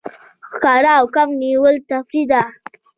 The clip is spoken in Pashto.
ښکار او کب نیول تفریح ده.